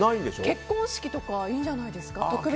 結婚式とかいいんじゃないですか。